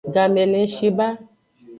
Game le ng shi ba.